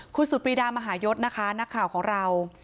คุณสุดปรีดามหายศนะคะนักข่าวของเรา